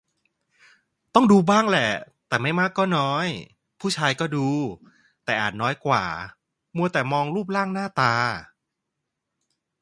ต้องดูบ้างแหละ แต่ไม่มากก็น้อย ผู้ชายก็ดู แต่อาจน้อยกว่า มัวแต่มองรูปร่างหน้าตา